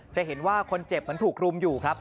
จะเห็นว่าคนเจ็บเหมือนถูกรุมอยู่ครับ